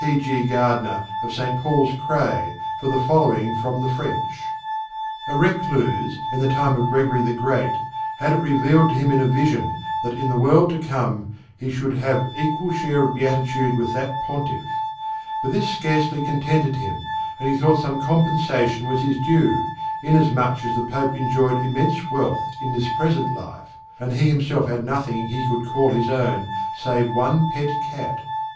G. Gardner, of St. Paul's Cray, for the following from the French: "A recluse, in the time of Gregory the Great, had it revealed to him in a vision that in the world to come he should have equal share of beatitude with that Pontiff; but this scarcely contented him, and he thought some compensation was his due, inasmuch as the Pope enjoyed immense wealth in this present life, and he himself had nothing he could call his own save one pet cat.